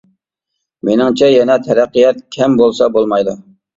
مېنىڭچە يەنە تەرەققىيات كەم بولسا بولمايدۇ.